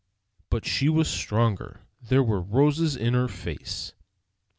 But she was stronger, there were roses in her face.